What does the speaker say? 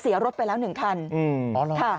เสียรถไปแล้วหนึ่งครั้ง